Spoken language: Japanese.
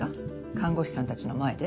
看護師さんたちの前で。